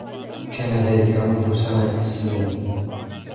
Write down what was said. كان ذلك منذ عدة سنين.